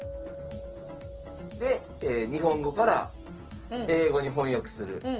で日本語から英語に翻訳する。